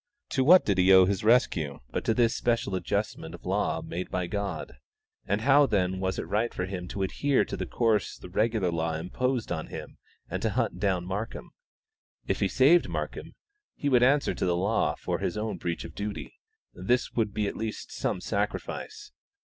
To what did he owe his own rescue but to this special adjustment of law made by God? and how then was it right for him to adhere to the course the regular law imposed on him and to hunt down Markham? If he saved Markham, he would answer to the law for his own breach of duty this would be at least some sacrifice.